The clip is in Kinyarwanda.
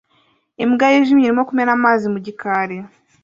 Imbwa yijimye irimo kumena amazi mu gikari